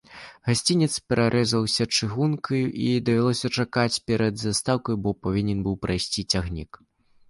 Гасцінец перарэзваўся чыгункаю, і давялося чакаць перад застаўкаю, бо павінен быў прайсці цягнік.